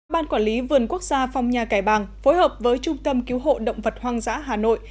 ban quản lý vườn quốc gia phong nha cải bàng phối hợp với trung tâm cứu hộ động vật hoang dã hà nội